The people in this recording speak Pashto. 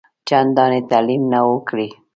چنداني تعلیم نه وو کړی.